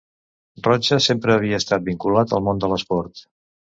Rocha sempre havia estat vinculat al món de l'esport.